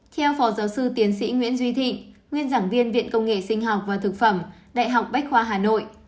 theo phó giáo sư tiến sĩ nguyễn duy thị nguyên giảng viên viện công nghệ sinh học và thực phẩm đại học bách khoa hà nội